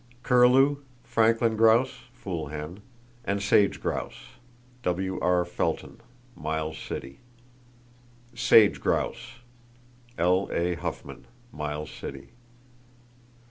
Curlew, Franklin grouse (fool hen) and sage grouse.—W.R. Felton, Miles City. Sage grouse.—(L.A. Huffman, Miles City.)